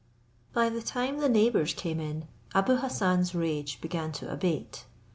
By the time the neighbours came in Abou Hassan's rage began to abate.